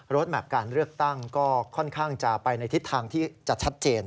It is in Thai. แมพการเลือกตั้งก็ค่อนข้างจะไปในทิศทางที่จะชัดเจน